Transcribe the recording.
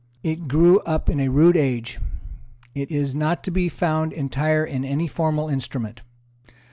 It grew up in a rude age. It is not to be found entire in any formal instrument.